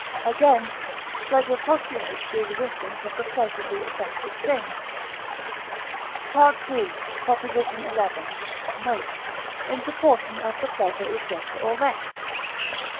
Again, pleasure postulates the existence of the pleasurably affected thing (III. xi. note), in proportion as the pleasure is greater or less.